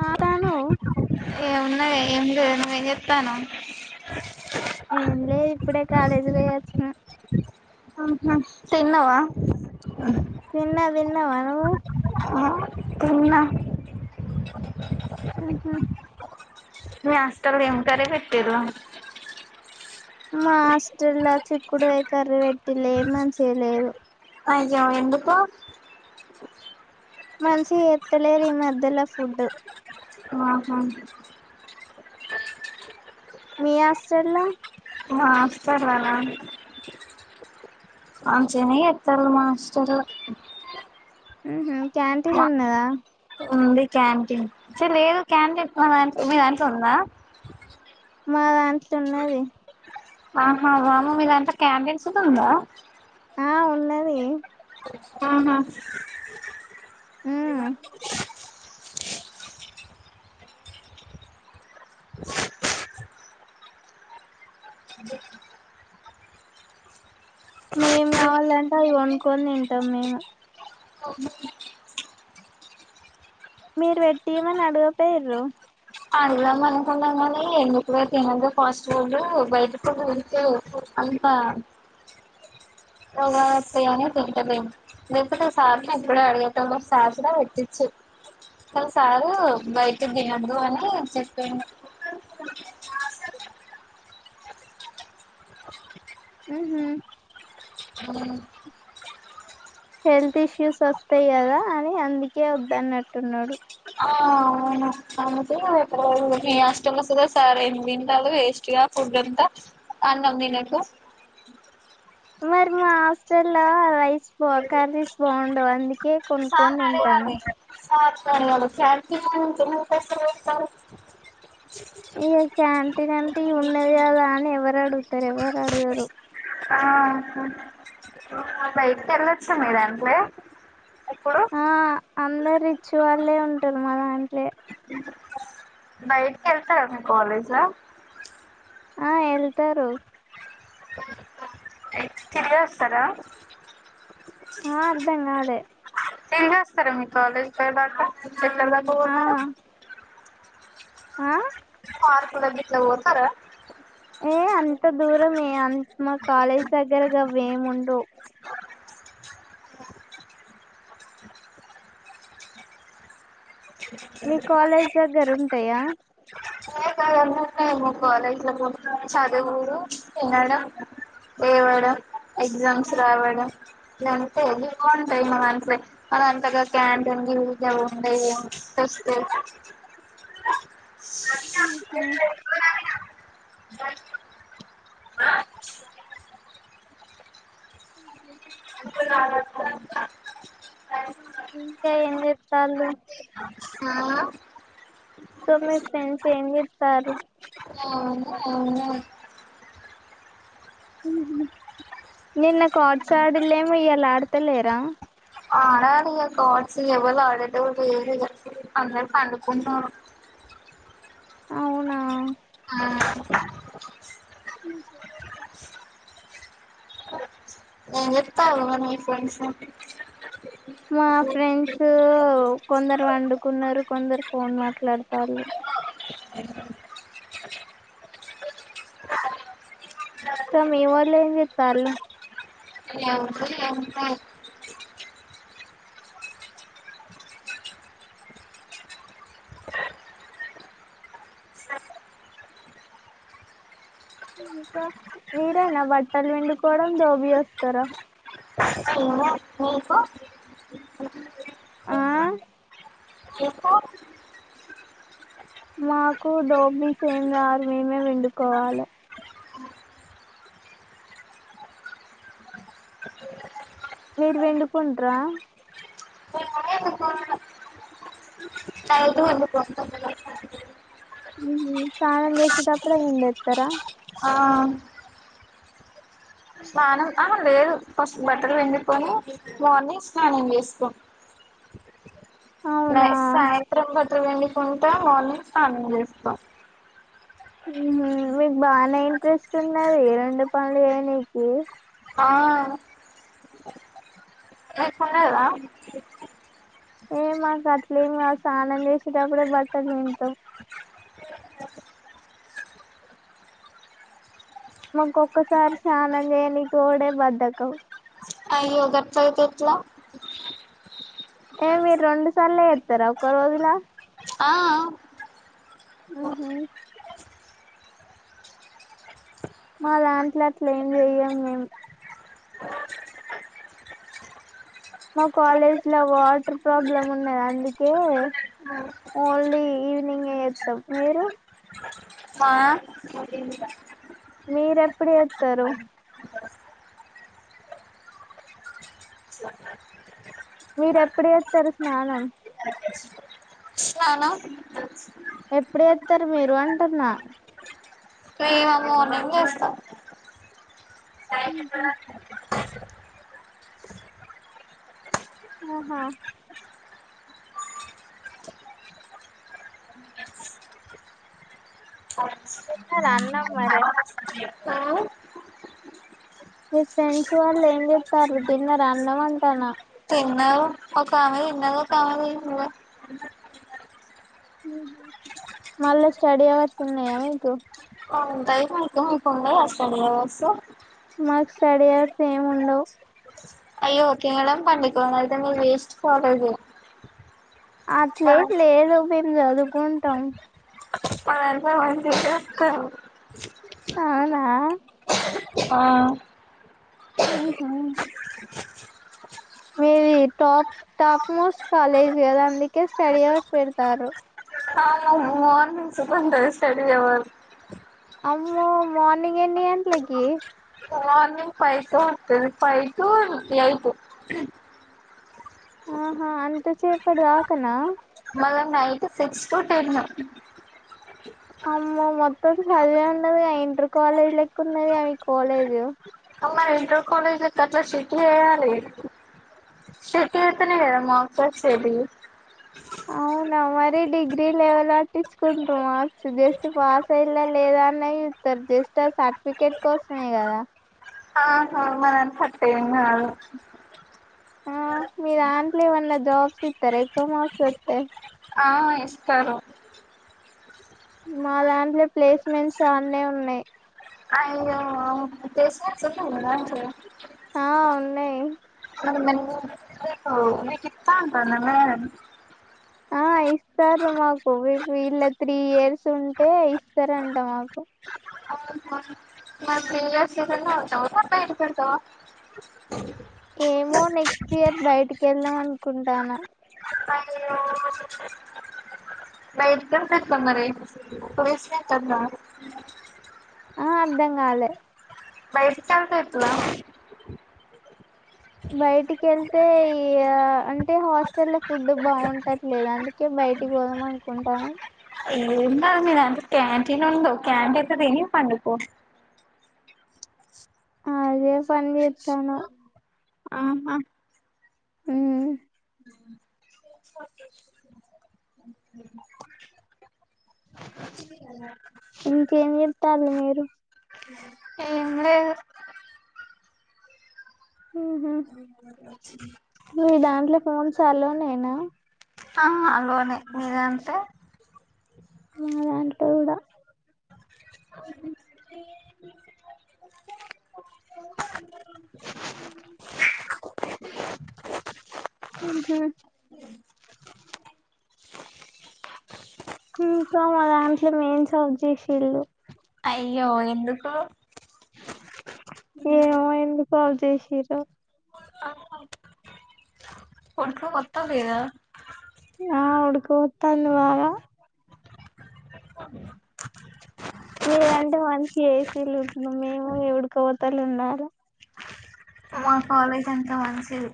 ఆ తాను ఏ ఉన్నాయే ఎందే నువ్ ఎంజేత్తన్నావ్? ఏం లేదు ఇప్పుడే కాలేజీ వొయొచ్చిన అహా తిన్నవా అ నువా నువ్వు ఆ తిన్న మ్ హు మీ హాస్టల్ల ఏం కర్రి పెట్టిర్రు మా హస్టల్ల చిక్కుడుగాయ్ కర్రీ వెట్టిల్లు ఎం మంచిగ లేదు. అయ్యో ఎందుకు? మంచిగ ఎత్తలేరు ఈ మధ్యల ఫుడ్డు ఆహా మీ హాస్టల్ ల్ల మా హాస్టల్లనా మంచిగనే చెత్తల్లు మా హాస్టల్ ల్ల మ్ హు క్యాంటీన్ ఉన్నదా? ఉంది క్యాంటీన్ చి లేదు క్యాంటీన్ మా దాం మీ దాంట్లొ ఉందా? మా దాంట్లున్నది ఆహా వామ్మో మీదాంట్ల క్యాంటన్స్ దుందా? ఆ ఉన్నదీ ఆహ ఉమ్ మేం గావాలంటే అవి కొనుకొని తింటం మేము మీరు వెట్టిమని అడుగపోయురు అడుగుదాం అనుకున్నం గానీ ఎందుకులే తినేదే ఫాస్ట్ ఫుడ్డు బయటికెళ్లి తింటే వద్దు అంతా ఎంగాదులే త్తయ్య అని తింటలేం లేకపొతె సార్ నీ ఎప్పుడో అడిగేటొళ్ళం సార్ గూడ పెట్టిచ్చు. కని సారు బైటిద్ తిన్నొద్దు అని కి చెప్పిండు ఉహు ఉ హెల్త్ ఇష్యూస్ వస్తాయి గదా అని అందుకే వద్దన్నట్టున్నడు ఆ అవును మీ హాస్టల్లొస్తదో సార్ ఎం తింటాళ్ళు వేస్ట్ గా ఫుడ్డంతా ఆ అన్నం తినక మరి మా హాస్టల్ ల్ల రైస్ బా కర్రీస్ బావుండవ్ అంది సార్ నడగాలి సర్ కి అడగాలి సర్కి [unintelligible] ఇగ క్యాంటీన్ అంటే ఉన్నది గదా అని ఎవరు అడుగుతరు ఎవరు అడగరు. ఆహా బైటికేల్లొచ్చ మీ దాంట్లె ఎప్పుడు ఆ అందరు రిచ్ వాళ్ళే ఉంటరు మదాన్ బయటికేళ్తర మీ కాలేజ్ ల ఆ ఎళ్తరు తిరిగొస్తరా ఆ అర్ధంగాలే తిరిగొస్తరా మీ కాలేజ్ కడ్దాకా ఎక్కడి దాకా ఆ పోతరు? ఆ పార్కుల గిట్ల వొతరా ఏ అంత దూరమే అన్ మా కాలేజీ దగ్గర గవ్వెముండవ్ మీ కాలేజ్ దగ్గర ఉంటయా మా కాలేజ్ ల మొత్తం చదువుడు తినడం లేేవడం ఎగ్జామ్స్ రావడం లేదంటే అ [unintelligible] మనదంత క్యాంటీన్ ఇ ఊకె ఉంటాయమో ఇంట్రెస్ట్ లేదా ఉహు అ అ ఉంది [unintelligible] ఇంకా ఏం చెత్తాల్లు ఆ సో మీ ఫ్రెండ్స్ ఏంచేత్తరు అవును అవును నిన్న కాట్స్ ఆడిలేమో ఇయాల ఆడతలేరా ఆడాలిగ కాడ్స్ ఎవలాడెటోల్లులేరు ఇగ అందరు పండుకున్నరు. అవునా ఆ ఎమ్ చెత్తల్ మీ ఫ్రెండ్స్ మా ఫ్రెండ్సు కొందరు పండుకున్నరు. కొందరు ఫోన్ మాట్లాడతాళ్ళు. మీ వొళ్ళు ఏం చెత్తలు [unintelligible] ఇంకా మీరేనా బట్టలు పిండుకోవడం దోబీ వస్తారా మేమే ఆ నీకు మాకు దోపిస్ ఏం రారు మేమే పిండుకోవాల మీరు పిండుకుంట్రా మిమ్మల్ని నైటు పిండుకుంటాం ఉహు స్నానం చేసేటప్పుడే పిండేత్తరా ఆ స్నానం ఆహ లేదు ఫస్ట్ బట్టలు పిండుకొని మార్నింగ్ స్నానం చేసుకు అవునా నైట్ సాయంత్రం బట్టలు పిండుకుంట. మార్నింగ్ స్నానం చేస్తా. ఉహు మీకు బానే ఇంట్రెస్ట్ ఉన్నది రెండు పనులు చేయనికి ఆ నీకున్నదా ఏ మాకు అట్లేమి కాదు. సానం చేసేటప్పుడే బట్టలు పిండుతం. మాకు ఒక్కసారి స్నానం చేయనికి పోవుడే బద్దకం. అయ్యో గట్ల అయితే ఎట్ల ఏ మీరు రెండు సార్లు చెత్తరా ఒక్క రోజులా ఆఆ ఆహ మాదాంట్ల అట్ల ఏం చెయ్యం మేము మా కాలేజీలో వాటర్ ప్రాబ్లం ఉన్నది అందుకే ఓన్లీ ఈవినింగె చేత్తం మీరు మా మీరెప్పుడు చెత్తరు మీరు ఎప్పుడు చేస్తరు స్నానం స్నానం ఎప్పుడు చెత్తరు మీరు అంటన్న ఏమో మార్నింగ్ చేస్తా ఉహు ఆహా తిన్నర అన్నం మరె ఆ మీ ఫ్రెండ్స్ వాళ్ళు ఏం చెత్తారు. తిన్నరా అన్నము అంటానా తిన్న ఒకామె ఇందాక కామెంట్ చేసింది ఉ మళ్ళ స్టడీ అవర్స్ ఉన్నాయా మీకు ఉంటయి మాకు మీకున్నా అసలు ఏం వస్తవ్ మాకు స్టడీయవర్స్ ఏం ఉండవు అయ్యో తినడం పండుకోవడం అయితే మీది వేస్టు కాలేజీ అట్లే ఏం లేదు మేము చదువుకుంటాం మా దాంట్ల మంచిగ చెప్తరు అవునా ఆ ఊహు మీది the top top most college కద అందుకే స్టడియావర్స్ పెడుతారు మార్నింగ్స్ సుత ఉంటది స్టడియవర్ అయ్యో మార్నింగ్ ఏన్ని గంటలకి మార్నింగ్ ఫైవ్ టు ఉంటది ఫైవ్ టు ఎయిటు ఆహా అంత సేపటి దాకనా మల్ల నైట్ సిక్స్ టు టెను అమ్మో మొత్తం చదివే ఉన్నదిగ ఇంటర్ కాలేజ్ లెక్క ఉన్నదిగా మీ కాలేజ్ మల్ల ఇంటర్ కలేజ్ లెక్క అట్ల స్ట్రీటు చేయాలి స్టిక్ట్ చేత్తే నే కదా మాక్స్ వచ్చేది అవు అవునా మరీ డిగ్రీ లెవల్ పట్టించుకుంట్రా మార్క్స్ జస్ట్ పాస్ అయిలా లేదా అనే యూ తరు జేస్ట్ అ సర్టిఫికెట్ కోసమే కద అ మనం సట్టేం కాదు ఆ మీ దాంట్లేమన్న జాబ్స్ ఇత్తర ఎక్కువ మాక్సతే ఆ ఇస్తరు మా దాంట్ల ప్లేస్మెంట్స్ ఆన్నే ఉన్నయి ఆ ప్లేస్మెంట్స్ ఉన్నయడ మంచిగా ఆ ఉన్నయి మరి నువ్వు ఒ మీకిత్తాంటంద మేడం ఆ ఆ ఇస్తారు మాకు వి వీళ్ళ త్రీ ఇయర్స్ ఉంటే ఇస్తారంట మాకు ఆ త్రీ ఇయర్స్ ఇళ్లనే ఉంటవ మరి వదిలిపెడతవా ఏమో నెక్స్ట్ ఇయర్ బయటికెళ్దాం అనుకుంటాన్న బయటికి ఏళ్తే ఎట్లా మరి [unintelligible] కదా ఆ అర్ధం కాలే బయటికెళ్తే ఎట్లా బయటికి కెళ్తే ఈ గ అంటే హాస్టల్ ల ఫుడ్ బాగుంటట్లేదు అందుకే బ బయటికి పోదాం అనుకుంటాన్నం ఏం కాదు మీదాంట్ల క్యాంటిన్ ఉండు క్యాంటీన్ల తిని పండుకొ ఆదే పని చేత్తన్నం ఆహ ఊ ఇంకేం చెత్తాళ్ళు మీరు ఏం లేదు ఉహు మీ దాంట్లో ఫోన్స్ ఆల్లో నేనా అలోనే మీదాంటే మాలాంటోడా [inaudible] ఉహు ఇంకా మా దాంట్ల మెన్స్ ఆఫ్ జేసిల్లు అయ్యో ఎందుకు వున్నాడు కాల్ చెసిర్రా నువ్వు ఓత్తలేద ఆ ఉడుకోతాన్ది బాగ మీరంటే మంచి ఏసీలుంటు మేము ఎ వుడ్కవొతలుండాల మా కాలేజంత మంచిది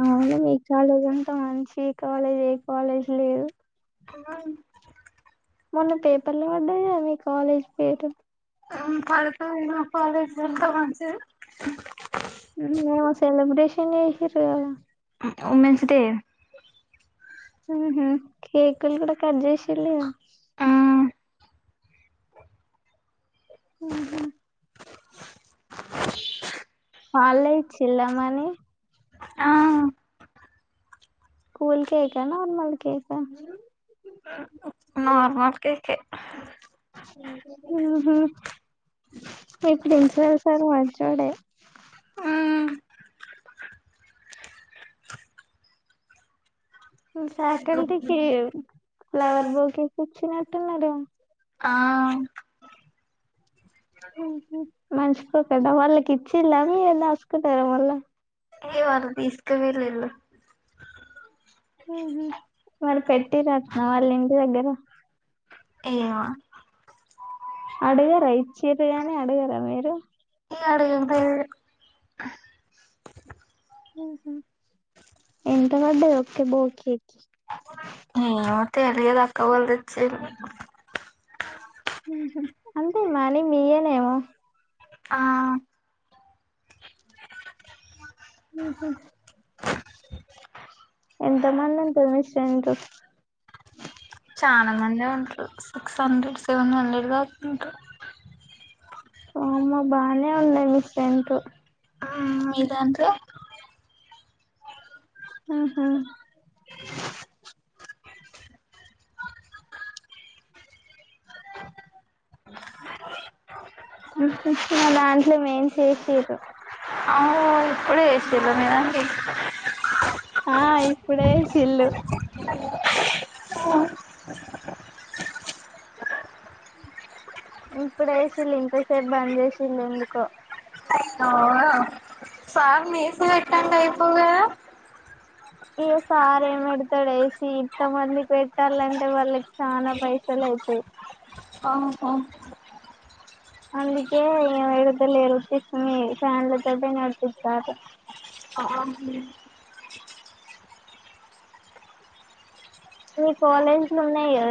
అవ్ను మీ కాలేజంతా మంచి ఈ కాలేజ్ ఏ కాలేజ్ లేదు. ఆన్ మొన్న పేపర్లు వడ్డాయిగద మీ కాలేజ్ పేరు పడుత ఇగ కాలేజ్ అంత మంచిదే ఉహ్ ఏమో సెలబ్రేషన్ ఇసిర్రు గదా ఉ వుమెన్స్ డే ఉహు కేకులు కూడా కట్ చేషిల్లు ఇగ ఆ ఉహు వాల్లే ఇచ్చిల మని ఆ కూల్ కేకా, నార్మల్ కేకా? నర్మాల్ కేకే ఉహు మీ ప్రిన్పల్సారు మంచోడే మ్మ్ ఫ్యాకల్టీకి ఫ్లవర్ బోకేసిచ్చినట్టున్నారు. ఆహ్ ఉహు మంచ్చికో కదా వాళ్ళకిచ్చిలా మీ దాస్కుంటారా మళ్ళ ఏ వాళ్ళు తీస్కవేలిలు ఉహ్ మరి పెట్టిరాట్న వాళ్ళ ఇంటి దగ్గర ఏమో అడ్గారా ఇచ్చేరే అనే అడ్గారా మీరు? ఇగ అడగలేదు ఉహు ఎంత వడ్డది ఒక్క బోకేకి? మాకు తేలిదులాక్క వాళ్ళు తేచ్చేలు ఉహ్ అంతే మనీ మీయేనేమ ఉ ఆ ఉహు ఎంత మనందుంటరు మీ శ్రేంతు? చాలా మందే ఉంటారు సిక్స్ హండ్రెడ్, సెవెన్ హండ్రెడ్గా ఉంట్రు వామ్మో బానే ఉన్నాయ్ మీ శ్రేంట్ మీదాంట్లే? ఉహు ఉహు మదాంట్లో మేన్సెసిండ్రూ ఎసింలామీనాన్సీ ఆ ఇప్పుడేసిల్లు ఇప్పుడేసిళు ఇంతసేపు బంద్ చేసిళేందుకో ఆ మేసి వెట్టాండగైపోవ గదా ఈ సారేమి పెడతాడు ఏసి ఇంత మందికి పెట్టాలంటే వాళ్ళకి చనా పైసలె ఓకే ఆహా అందుకే ఇగ వెడుతలిరు సిస్టం ఇ ఫ్యాన్లదొనే నడ్పితారు ఆహా మీ కాలేజ్లున్నాయి గదా